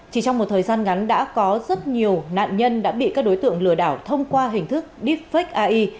chỉ trong một thời gian ngắn đã có rất nhiều nạn nhân đã bị các đối tượng lừa đảo thông qua hình thức deepfake ai